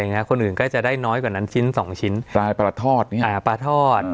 อย่างเงี้ยคนอื่นก็จะได้น้อยกว่านั้นชิ้นสองชิ้นปลาทอดอ่าปลาทอด